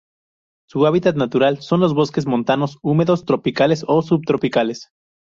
Su hábitat natural son los bosques montanos húmedos tropicales o subtropicales.